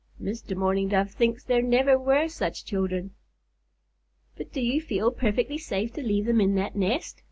Mr. Mourning Dove thinks there never were such children." "But do you feel perfectly safe to leave them in that nest?"